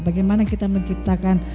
bagaimana kita menciptakan